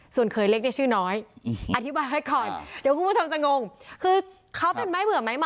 ส่วนเขยเล็กเนี่ยชื่อน้อย